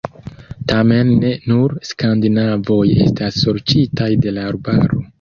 Tamen ne nur skandinavoj estas sorĉitaj de la arbaro.